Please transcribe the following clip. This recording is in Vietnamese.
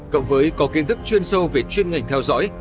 cộng với có kiến thức chuyên sâu về chuyên ngành theo dõi